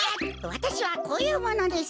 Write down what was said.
わたしはこういうものです。